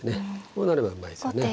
こうなればうまいですよね。